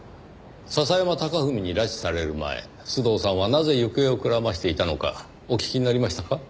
笹山隆文に拉致される前須藤さんはなぜ行方をくらましていたのかお聞きになりましたか？